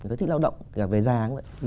người ta thích lao động về già cũng vậy